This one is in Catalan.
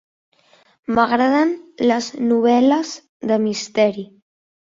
M'agraden les novel·les de misteri.